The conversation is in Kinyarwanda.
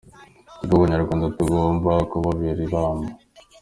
Ni twebwe abanyarwanda tugomba kubabera ibamba.